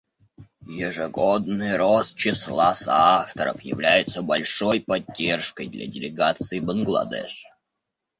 Ежегодный рост числа соавторов является большой поддержкой для делегации Бангладеш.